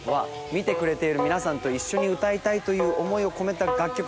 見てくれている皆さんと一緒に歌いたいという思いを込めた楽曲